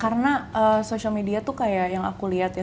karena social media tuh kayak yang aku lihat ya